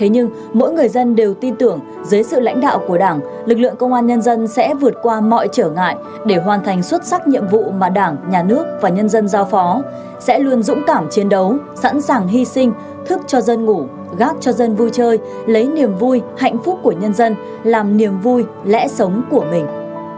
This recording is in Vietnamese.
nhưng mỗi người dân đều tin tưởng dưới sự lãnh đạo của đảng lực lượng công an nhân dân sẽ vượt qua mọi trở ngại để hoàn thành xuất sắc nhiệm vụ mà đảng nhà nước và nhân dân giao phó sẽ luôn dũng cảm chiến đấu sẵn sàng hy sinh thức cho dân ngủ gác cho dân vui chơi lấy niềm vui hạnh phúc của nhân dân làm niềm vui lẽ sống của mình